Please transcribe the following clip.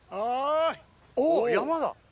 おっ山だ。